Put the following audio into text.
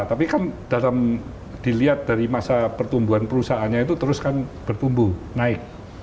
tapi kan dalam dilihat dari masa pertumbuhan perusahaannya itu terus kan bertumbuh naik